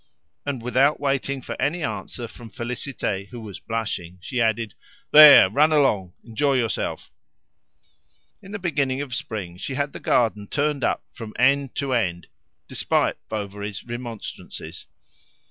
And without waiting for any answer from Félicité, who was blushing, she added, "There! run along; enjoy yourself!" In the beginning of spring she had the garden turned up from end to end, despite Bovary's remonstrances.